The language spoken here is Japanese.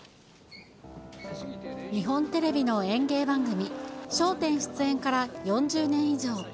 日本テレビの演芸番組、笑点出演から４０年以上。